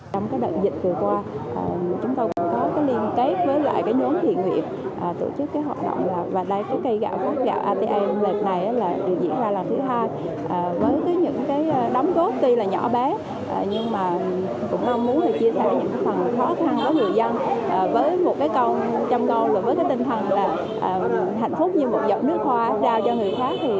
cùng với cái tinh thần là hạnh phúc như một giọt nước hoa rao cho người khác thì cái hương thơ cũng lưu lại